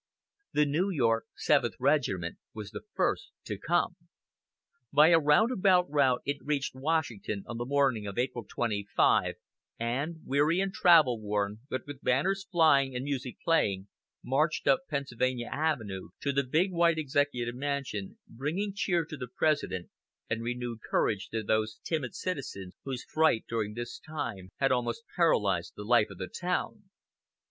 The New York Seventh Regiment was the first to "come." By a roundabout route it reached Washington on the morning of April 25, and, weary and travel worn, but with banners flying and music playing, marched up Pennsylvania Avenue to the big white Executive Mansion, bringing cheer to the President and renewed courage to those timid citizens whose fright during this time had almost paralyzed the life of the town.